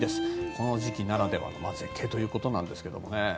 この時期ならではの絶景ということですが。